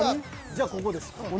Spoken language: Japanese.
じゃここです。